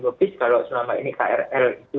lupis kalau selama ini krl itu